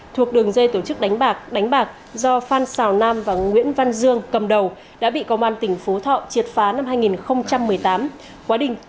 thuộc đường dây tổ chức đánh bạc đánh bạc do phan xào nam và nguyễn văn dương cầm đầu đã bị công an tỉnh phú thọ triệt phá năm hai nghìn một mươi tám